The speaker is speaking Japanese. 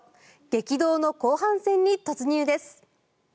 激動の後半戦に突入です。